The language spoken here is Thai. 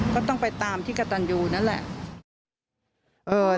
ก็ต้องไปตามที่กระตันยูนั่นแหละ